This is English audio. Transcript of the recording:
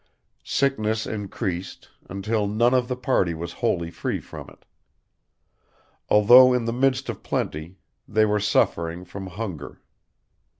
Sickness increased, until none of the party was wholly free from it. Although in the midst of plenty, they were suffering from hunger.